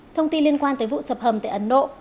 thông tin liên quan tới vụ sập hầm tại ấn độ